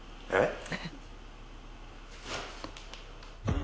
えっ？